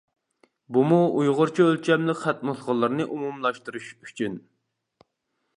بۇمۇ ئۇيغۇرچە ئۆلچەملىك خەت نۇسخىلىرىنى ئومۇملاشتۇرۇش ئۈچۈن.